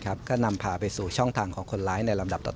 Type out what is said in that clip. ก็นำพาไปสู่ช่องทางของคนร้ายในลำดับต่อ